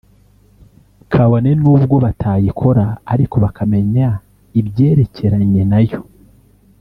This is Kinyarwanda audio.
kabone n’ubwo batayikora ariko bakamenya ibyerekeranye nayo